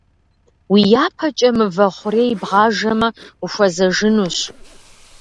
Уи япэкӀэ мывэ хъурей бгъажэмэ ухуэзэжынщ.